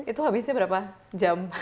itu habisnya berapa jam